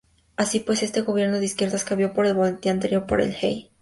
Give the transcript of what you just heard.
Así pues, este gobierno de izquierdas cambió el boletín anterior por el Ei!.